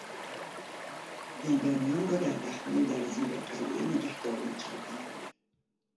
زندانیان را در دخمهای در زیر قلعه نگهداری میکردند.